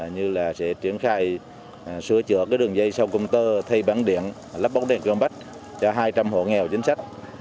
như là sẽ triển khai sửa chữa đường dây sau công tơ thay bán điện lắp bóng đèn combec cho hai trăm linh hộ nghèo chính sách